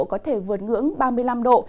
có thể vượt ngưỡng ba mươi năm độ